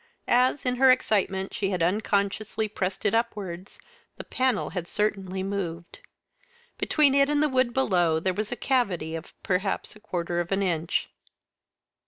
As, in her excitement, she had unconsciously pressed it upwards, the panel had certainly moved. Between it and the wood below there was a cavity of perhaps a quarter of an inch.